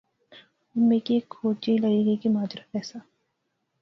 ہن میں کی ہیک کھوج جئی لغی گئی کہ ماجرا کہہ دا